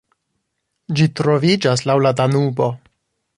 Ĝi troviĝas laŭ la Danubo.